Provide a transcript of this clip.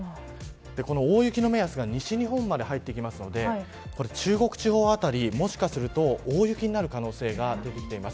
この大雪の目安が西日本まで入ってくるので中国地方辺り、もしかすると大雪になる可能性が出てきています。